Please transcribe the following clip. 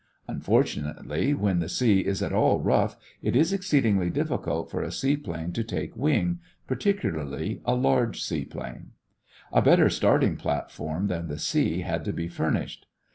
Unfortunately, when the sea is at all rough it is exceedingly difficult for a seaplane to take wing, particularly a large seaplane. A better starting platform than the sea had to be furnished.